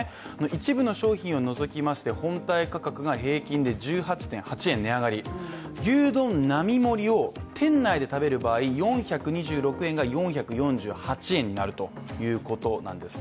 一部の商品を除いて、本体価格が平均１８．８円値上がり牛丼並盛を店内で食べる場合４２６円が４４８円になるということなんです。